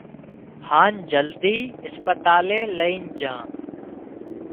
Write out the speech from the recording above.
هانَ جلدي اسپتالئي لئي جھان